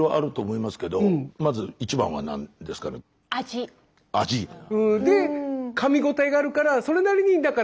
でかみごたえがあるからそれなりにあぁ。